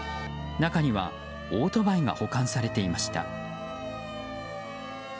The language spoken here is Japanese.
中にはオートバイが保管されていました。